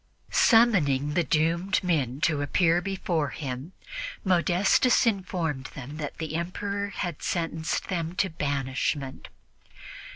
Summoning the doomed men to appear before him, Modestus informed them that the Emperor had sentenced them to banishment.